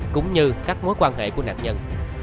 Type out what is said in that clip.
cũng như các mối quan hệ của nạn nhân